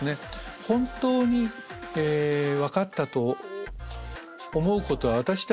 本当に分かったと思うことは私たちにはできないんです。